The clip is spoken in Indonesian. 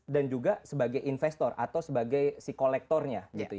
dan juga sebagai investor atau sebagai si kolektornya